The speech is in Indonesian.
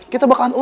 kita bakalan utuh